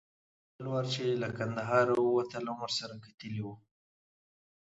بل وار چې له کندهاره وتلم ورسره کتلي و.